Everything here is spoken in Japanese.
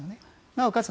なおかつ